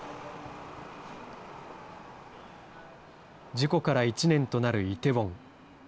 事故から１年となるイテウォン。